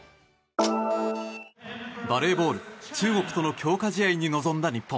バレーボール中国との強化試合に臨んだ日本。